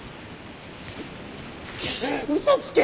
嘘つけ！